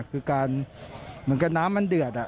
คือการเหมือนกับน้ำมันเดือด